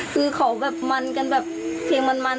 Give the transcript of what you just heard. คือเขาแบบมันกันแบบเพลงมัน